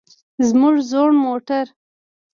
موږ زوړ موټر.